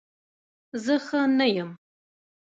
زه ښه نه یم